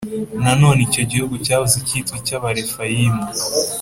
Nanone icyo gihugu cyahoze cyitwa icy’Abarefayimu. (